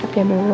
cepat ya dulu